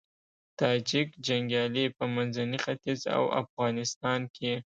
تاجیک جنګيالي په منځني ختيځ او افغانستان کې